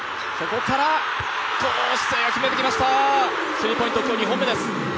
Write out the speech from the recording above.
スリーポイント、今日、２本目です。